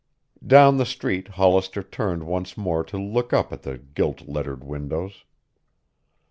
Down the street Hollister turned once more to look up at the gilt lettered windows.